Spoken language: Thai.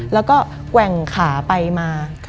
แล้วก็แกว่งขาไปมา